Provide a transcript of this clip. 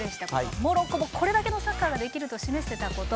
モロッコもこれだけのサッカーができると示せたこと。